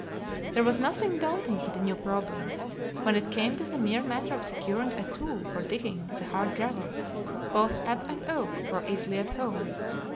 There was nothing daunting in the new problem. When it came to the mere matter of securing a tool for digging the hard gravel, both Ab and Oak were easily at home.